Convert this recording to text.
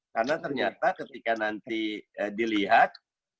karena ternyata ketika nanti dilihat